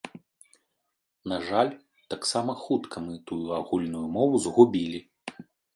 На жаль, таксама хутка мы тую агульную мову згубілі.